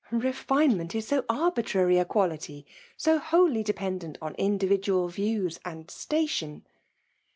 ^'^ Befinement. is so arbftrary a quality, so wholly dependent on individual views jmmI ^ilatioh."